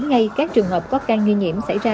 ngay các trường hợp có ca nghi nhiễm xảy ra